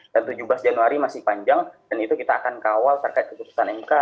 dan tujuh belas januari masih panjang dan itu kita akan kawal terkait keputusan mk